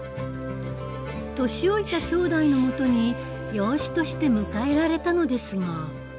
年老いたきょうだいのもとに養子として迎えられたのですが。